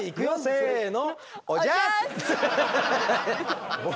せの。